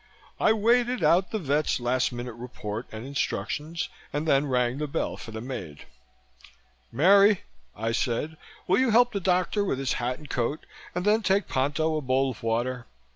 I waited out the vet's last minute report and instructions, and then rang the bell for the maid. "Mary," I said, "will you help the doctor with his hat and coat and then take Ponto a bowl of water.